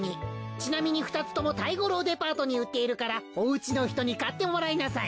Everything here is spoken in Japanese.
ちなみに２つともタイゴロウデパートに売っているからおうちの人に買ってもらいなさい。